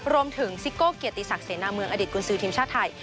ซิโก้เกียรติศักดิเสนาเมืองอดีตกุญสือทีมชาติไทย